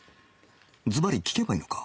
ずばり聞けばいいのか